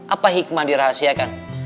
apa hikmah dirahasiakan